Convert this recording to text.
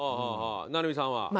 成海さんは？